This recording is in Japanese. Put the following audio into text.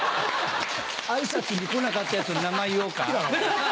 挨拶に来なかった奴の名前言おうか？